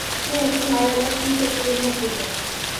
Sen uchun ayollar shunchaki ermak edi